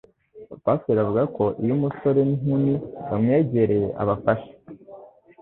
pasiteri avuga ko iyo umusore n'inkumi bamwegereye abafasha